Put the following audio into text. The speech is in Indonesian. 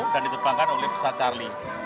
dan ditebangkan oleh pesawat charlie